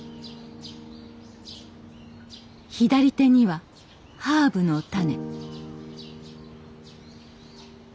左手にはハーブの種。